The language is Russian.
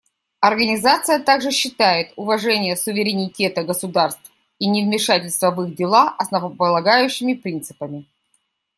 Организация также считает уважение суверенитета государств и невмешательство в их дела основополагающими принципами.